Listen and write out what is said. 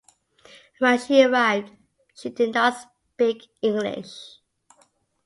When she arrived, she did not speak English.